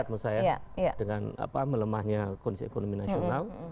menurut saya dengan melemahnya kondisi ekonomi nasional